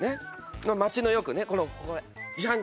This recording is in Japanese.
街のよくねこれ自販機。